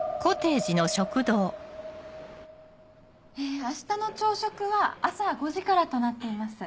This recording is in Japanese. え明日の朝食は朝５時からとなっています。